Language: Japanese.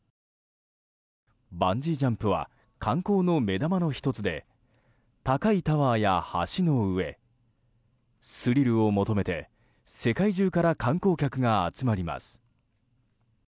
バンジージャンプは観光の目玉の１つで高いタワーや橋の上スリルを求めて世界中から観光客が集まります。